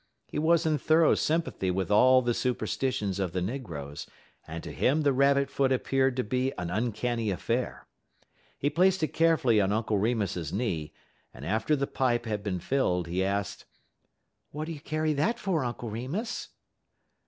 He was in thorough sympathy with all the superstitions of the negroes, and to him the rabbit foot appeared to be an uncanny affair. He placed it carefully on Uncle Remus's knee, and after the pipe had been filled, he asked: "What do you carry that for, Uncle Remus?"